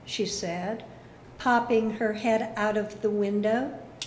she said, popping her head out of the window.